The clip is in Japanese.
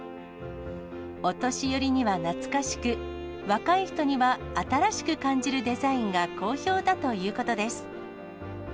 お年寄りには懐かしく、若い人には新しく感じるデザインが好評だということです。